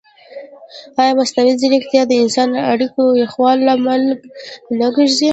ایا مصنوعي ځیرکتیا د انساني اړیکو یخوالي لامل نه ګرځي؟